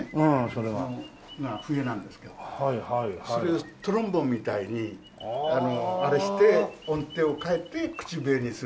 その上が笛なんですけどそれをトロンボーンみたいにあれして音程を変えて口笛にする。